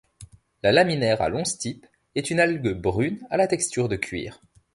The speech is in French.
La Laminaire à long stipe est une algue brune à la texture de cuir.